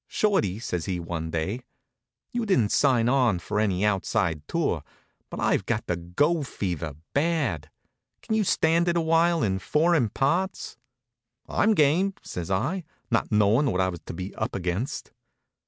"Shorty," says he one day, "you didn't sign for any outside tour, but I've got the go fever bad. Can you stand it for awhile in foreign parts?" "I'm game," says I, not knowing what I was to be up against.